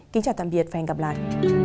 kính chào tạm biệt và hẹn gặp lại